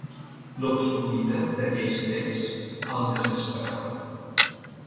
L'obscuritat d'aquells texts el desesperava.